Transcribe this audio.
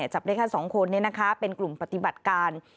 จับได้แค่๒คนเป็นกลุ่มปฏิบัติการ